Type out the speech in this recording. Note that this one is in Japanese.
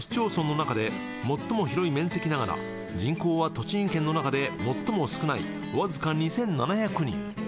栃木県の市町村の中で最も広い面積ながら、人口は栃木県の中で最も少ないわずか２７００人。